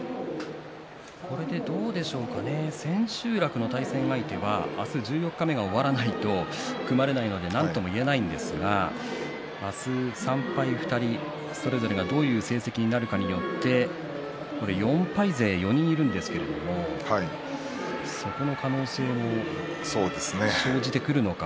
これで千秋楽の対戦相手は明日、十四日目が終わらないと組まれないのでなんとも言えないんですが明日３敗、２人それぞれが、どういう成績になるかによって４敗勢、４人いるんですけどそこの可能性も生じてくるのか。